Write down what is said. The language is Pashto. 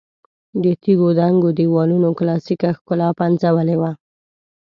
د تیږو دنګو دېوالونو کلاسیکه ښکلا پنځولې وه.